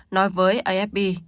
nói với afp